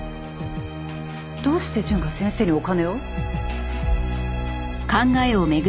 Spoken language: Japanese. どうして純が先生にお金を？